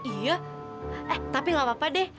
iya eh tapi gak apa apa deh